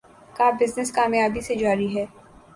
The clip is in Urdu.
کا بزنس کامیابی سے جاری ہے